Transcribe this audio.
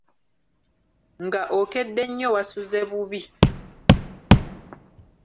Nga okedde nnyo wasuze bubi!